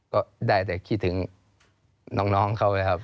ก็ได้แต่คิดถึงน้องเขานะครับ